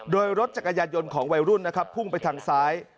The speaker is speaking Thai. โดยรถจักรยานยนต์ของวัยรุ่นนะครับพุ่งไปทางซ้าย